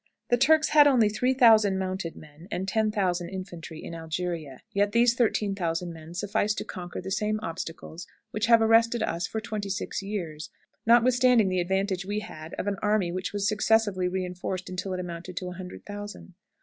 "The Turks had only three thousand mounted men and ten thousand infantry in Algeria, yet these thirteen thousand men sufficed to conquer the same obstacles which have arrested us for twenty six years, notwithstanding the advantage we had of an army which was successively re enforced until it amounted to a hundred thousand.